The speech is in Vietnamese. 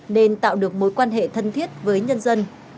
nên tạo được mối quan hệ thân thiết với nhân dân